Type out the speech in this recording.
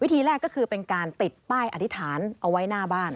ทีแรกก็คือเป็นการติดป้ายอธิษฐานเอาไว้หน้าบ้าน